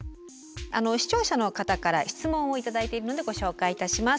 視聴者の方から質問を頂いているのでご紹介いたします。